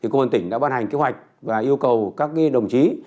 công an tỉnh đã ban hành kế hoạch và yêu cầu các đồng chí